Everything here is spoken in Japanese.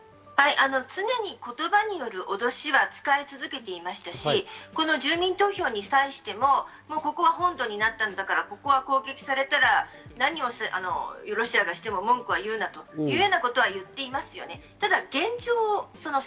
常に言葉による脅しは使い続けていましたし、住民投票に際しても、ここは本土になったのだから攻撃されたら何をロシアはしても文句は言うなというようなことは言っていますよね。